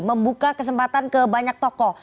membuka kesempatan ke banyak toko